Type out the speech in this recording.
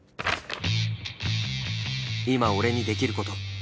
今俺にできる事